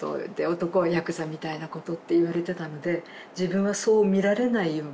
男はヤクザみたいなことって言われてたので自分はそう見られないように。